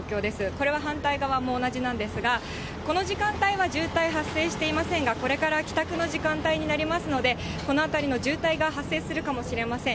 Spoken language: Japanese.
これは反対側も同じなんですが、この時間帯は渋滞発生していませんが、これから帰宅の時間帯になりますので、この辺りの渋滞が発生するかもしれません。